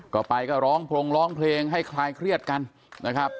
ก็ไปก็ร้องพรงร้องเพลงให้คลายเครียดกันนะครับ